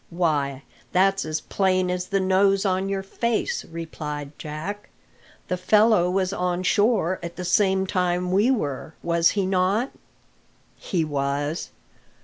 "Why, that's as plain as the nose on your face," replied Jack; "the fellow was on shore at the same time we were, was he not?" "He was."